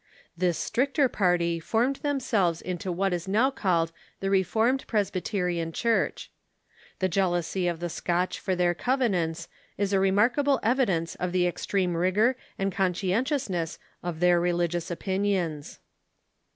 This stricter party formed themselves into what is now called the Reformed Presbyterian Church. The jealousy of the Scotch for their Covenants is a remarkable evidence of the extreme rigor and conscientiousness of their religious opinions.